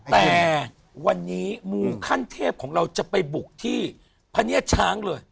แต่วันนี้มูขั้นเทพของเราจะไปบุกที่พะเนียดช้างเลย